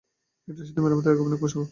এটা সেতু মেরামতের এক অভিনব কৌশল।